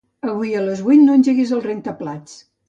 Avui a les vuit no engeguis el rentaplats.